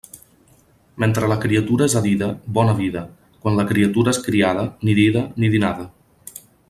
Mentre la criatura és a dida, bona vida; quan la criatura és criada, ni dida ni dinada.